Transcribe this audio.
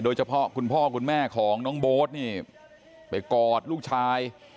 โดยเฉพาะคุณพ่อคุณแม่ของน้องโบ๊ทนี่ไปกอดลูกชาย